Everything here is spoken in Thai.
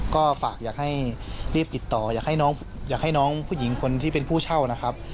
ก็ฝากอยากให้รีบติดต่ออยากให้น้องผู้หญิงคนที่เป็นผู้เช่านะครับ